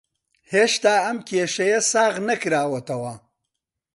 هێشتا ئەم کێشەیە ساغ نەکراوەتەوە